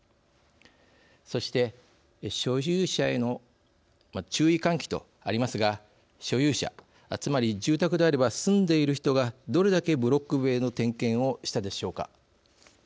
そして所有者への注意喚起とありますが所有者、つまり住宅であれば住んでいる人がどれだけブロック塀の点検をしたでしょうか。